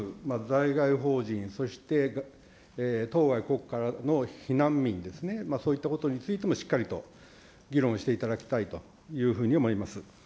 在外邦人、そして当該国からの避難民ですね、そういったことについてもしっかりと議論していただきたいというふうに思います。